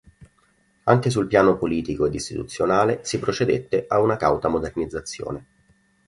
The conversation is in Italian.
Anche sul piano politico ed istituzionale si procedette a una cauta modernizzazione.